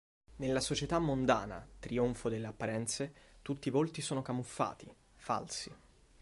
Nella società mondana, trionfo delle apparenze, tutti i volti sono camuffati, falsi.